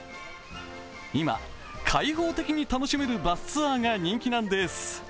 今、開放的に楽しめるバスツアーが人気なんです。